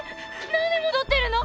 なんで戻ってるの！？